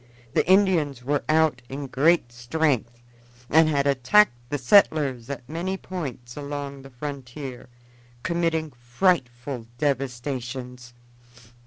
The Indians were out in great strength and had attacked the settlers at many points along the frontier, committing frightful devastations.